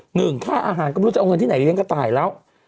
หนึ่งค่าอาหารก็ไม่รู้จะเอาเงินที่ไหนไปเลี้ยกระต่ายแล้ว